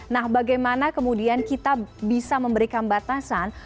nah bagaimana kemudian kita bisa memberikan batasan